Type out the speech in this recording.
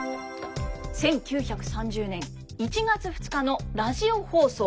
１９３０年１月２日のラジオ放送。